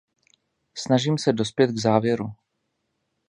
Snažím se dospět k závěru.